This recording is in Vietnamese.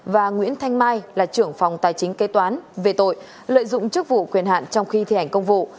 và nguyễn thanh mai là trưởng phòng tài chính kế toán về tội lợi dụng chức vụ quyền hạn trong khi thi hành công vụ